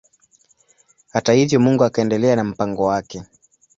Hata hivyo Mungu akaendelea na mpango wake.